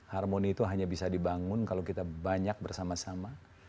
harmoni itu hanya bisa dibangun kalau kita banyak bersama sama